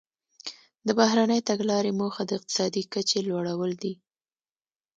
د بهرنۍ تګلارې موخه د اقتصادي کچې لوړول دي